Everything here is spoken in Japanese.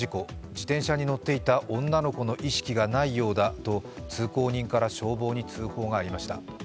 自転車に乗っていた女の子の意識がないようだと通行人から消防に通報がありました。